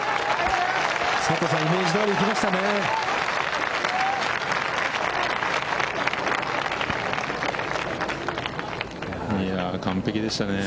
佐藤さん、イメージどおり行きましたね。